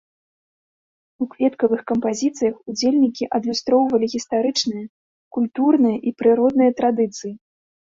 У кветкавых кампазіцыях ўдзельнікі адлюстроўвалі гістарычныя, культурныя і прыродныя традыцыі.